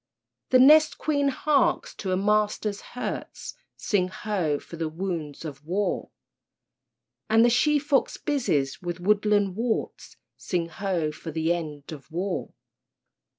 The nest queen harks to her master's hurts, (Sing ho! for the wounds of war!) And the she fox busies with woodland worts, (Sing ho! for the end of war!)